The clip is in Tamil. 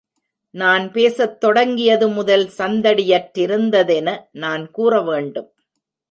நான் பேசத் தொடங்கியது முதல் சந்தடியற்றிருந்ததென நான் கூற வேண்டும்.